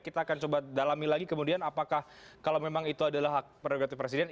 kita akan coba dalami lagi kemudian apakah kalau memang itu adalah hak prerogatif presiden